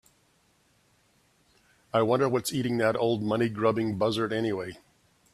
I wonder what's eating that old money grubbing buzzard anyway?